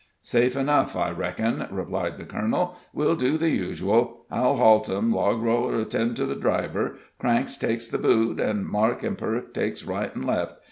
"Safe enough, I reckon," replied the colonel. "We'll do the usual; I'll halt 'em, Logroller'll tend to the driver, Cranks takes the boot, an' Mac an' Perk takes right an' left.